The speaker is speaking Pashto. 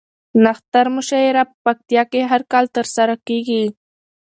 نښتر مشاعره په پکتيا کې هر کال ترسره کیږي